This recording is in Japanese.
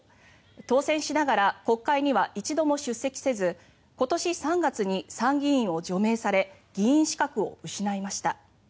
当選しながら国会には一度も出席せず今年３月に参議院を除名され議員資格を失いました。